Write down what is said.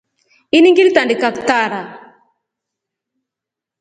Ini ngilitandika kitanda.